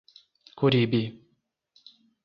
Coribe